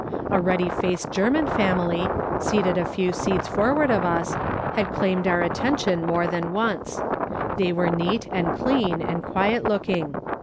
A ruddy faced German famil}^, seated a few seats forward of us, had claimed our attention more than once. They were neat, and clean, and quiet looking.